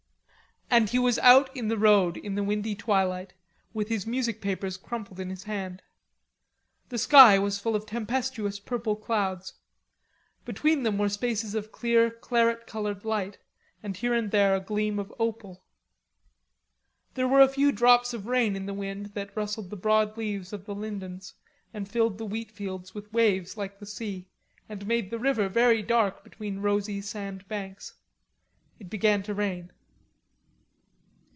And he was out in the road in the windy twilight, with his music papers crumpled in his hand. The sky was full of tempestuous purple clouds; between them were spaces of clear claret colored light, and here and there a gleam of opal. There were a few drops of rain in the wind that rustled the broad leaves of the lindens and filled the wheat fields with waves like the sea, and made the river very dark between rosy sand banks. It began to rain.